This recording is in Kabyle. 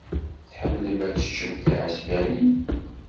Tḥemmlem ad teččem tiɛesbanin.